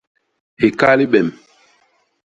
Hika libem.